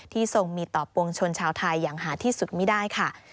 ทรงมีต่อปวงชนชาวไทยอย่างหาที่สุดไม่ได้ค่ะ